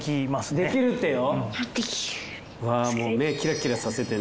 できるってよ。